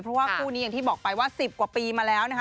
เพราะว่าคู่นี้อย่างที่บอกว่า๑๐ปีกว่ามาแล้ว